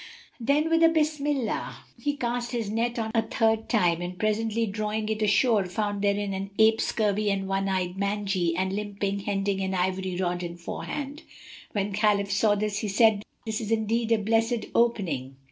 Then with a Bismillah he cast his net a third time, and presently drawing it ashore found therein an ape scurvy and one eyed, mangy, and limping hending an ivory rod in forehand. When Khalif saw this, he said, "This is indeed a blessed opening!